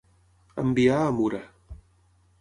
Enviar a Mura.